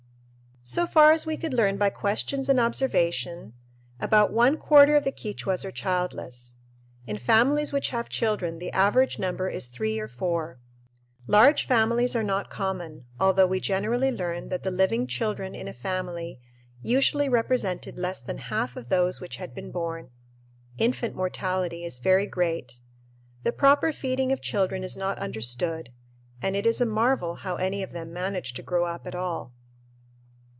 So far as we could learn by questions and observation, about one quarter of the Quichuas are childless. In families which have children the average number is three or four. Large families are not common, although we generally learned that the living children in a family usually represented less than half of those which had been born. Infant mortality is very great. The proper feeding of children is not understood and it is a marvel how any of them manage to grow up at all.